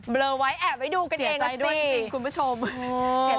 เบลอไว้แอบไปดูกันเองนะสิคุณผู้ชมเสียใจด้วยจริง